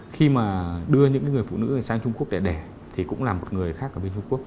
khi mà đưa những người phụ nữ sang trung quốc để đẻ thì cũng là một người khác ở bên trung quốc